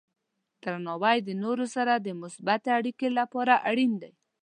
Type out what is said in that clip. درناوی د نورو سره د مثبتې اړیکې لپاره اړین دی.